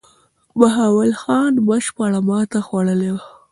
بهاول خان بشپړه ماته خوړلې وه.